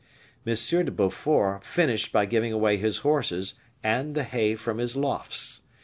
M. de Beaufort finished by giving away his horses and the hay from his lofts.